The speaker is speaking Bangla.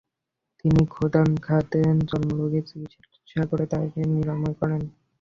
তিনি খোদান খানের চর্মরোগের চিকিৎসা করে তাকে নিরাময় করেন।